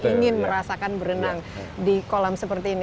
ingin merasakan berenang di kolam seperti ini